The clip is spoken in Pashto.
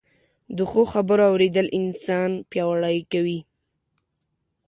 د ښو خبرو اورېدل انسان پياوړی کوي